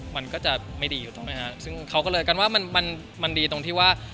มันก็จะไม่ดีถูกต้องไหมฮะซึ่งเขาก็เลยกันว่ามันมันดีตรงที่ว่า